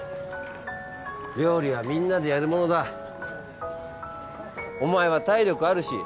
料理はみんなでやるものだお前は体力あるし